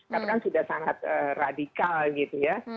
katakan sudah sangat radikal gitu ya